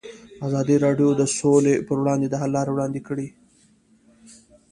ازادي راډیو د سوله پر وړاندې د حل لارې وړاندې کړي.